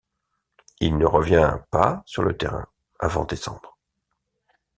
Il ne revient par sur le terrain avant décembre.